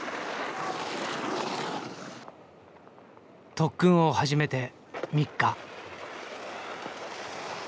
特訓を始めて３日。